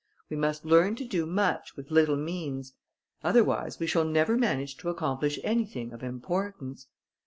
We must learn to do much, with little means; otherwise, we shall never manage to accomplish anything of importance.